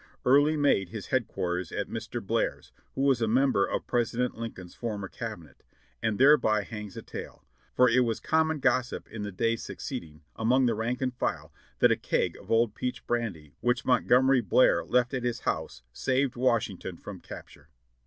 Early made his headquarters at Mr. Blair's, who was a member of President Lincoln's former Cabinet ; and thereby hangs a tale, for it was common gossip in the days succeeding, among the rank and file, that a keg of old peach brandy which Montgomery Blair left at his house saved Washington from capture.